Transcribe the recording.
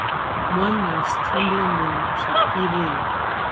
One last trembling glimmer shot feebly up.